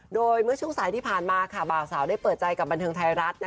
โดยเมื่อช่วงสายที่ผ่านมาบ่าวสาวได้เปิดใจกับบันเทิงไทยรัฐ